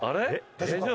大丈夫？